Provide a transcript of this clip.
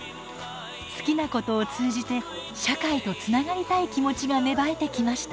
好きなことを通じて社会とつながりたい気持ちが芽生えてきました。